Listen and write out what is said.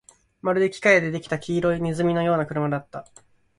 まるで機械で出来た黄色い鼠のような車だった